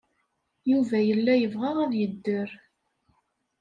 Yuba yella yebɣa ad yedder.